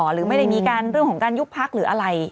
หรือไม่ได้มีการเรื่องของการยุบพักหรืออะไร